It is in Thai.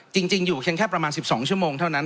จริงอยู่เพียงแค่ประมาณ๑๒ชั่วโมงเท่านั้น